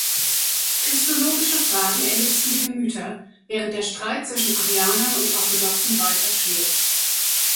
Christologische Fragen erhitzten die Gemüter, während der Streit zwischen Arianern und Orthodoxen weiter schwelt.